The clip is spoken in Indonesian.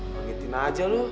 panggitin aja lu